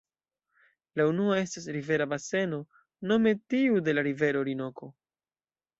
La unua estas rivera baseno, nome tiu de la rivero Orinoko.